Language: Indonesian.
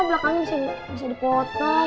belakangnya masih dipotong